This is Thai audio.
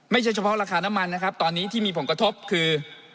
ไม่ใช่เฉพาะราคาน้ำมันนะครับตอนนี้ที่มีผลกระทบคือ